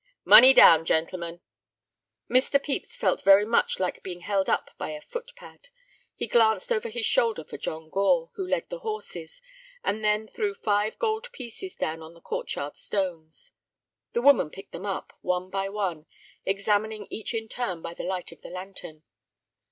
"Money down, gentlemen." Mr. Pepys felt very much like being held up by a footpad. He glanced over his shoulder for John Gore, who led the horses, and then threw five gold pieces down on the court yard stones. The woman picked them up, one by one, examining each in turn by the light of the lantern.